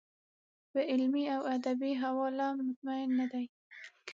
په علمي او ادبي حواله مطمین نه دی.